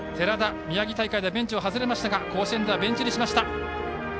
寺田、宮城大会でベンチを外れましたが甲子園ではベンチ入り。